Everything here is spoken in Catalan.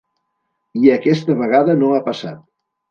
I aquesta vegada no ha passat.